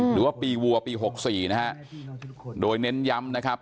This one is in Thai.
หรือว่าปีวัวปี๖๔นะฮะโดยเน้นย้ำนะครับ